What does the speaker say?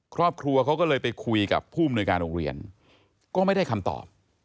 ครอบครัวเขาก็เลยไปคุยกับผู้อำนวยการโรงเรียนก็ไม่ได้คำตอบ